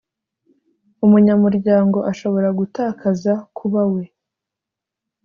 umunyamuryango ashobora gutakaza kuba we